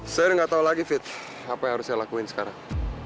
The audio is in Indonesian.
saya nggak tahu lagi fit apa yang harus saya lakuin sekarang